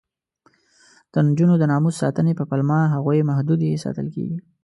د نجونو د ناموس ساتنې په پلمه هغوی محدودې ساتل کېږي.